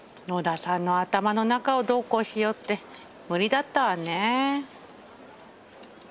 野田さんの頭の中をどうこうしようって無理だったわね。